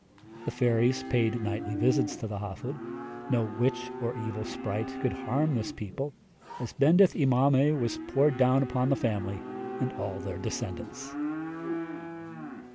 The fairies paid nightly visits to the Hafod. No witch or evil sprite could harm this people, as Bendith y Mamau was poured down upon the family, and all their descendants.